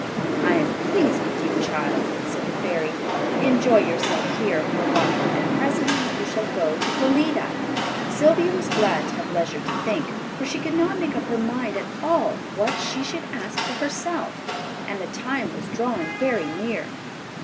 'I am pleased with you, child,' said the Fairy; 'enjoy yourself here for awhile and presently you shall go to Phyllida.' Sylvia was glad to have leisure to think, for she could not make up her mind at all what she should ask for herself, and the time was drawing very near.